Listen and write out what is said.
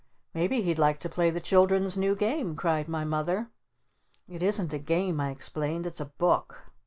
"Maybe he'd like to play the Children's new Game!" cried my Mother. "It isn't a Game," I explained. "It's a Book!"